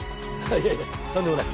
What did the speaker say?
いやいやとんでもない。